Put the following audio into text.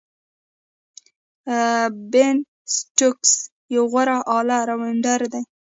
بین سټوکس یو غوره آل راونډر دئ.